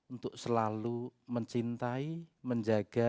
untuk selalu mencintai menjaga